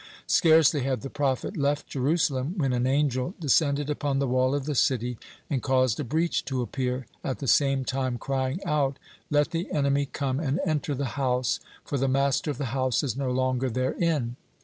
Scarcely had the prophet left Jerusalem when an angel descended upon the wall of the city and caused a breach to appear, at the same time crying out: "Let the enemy come and enter the house, for the Master of the house is no longer therein.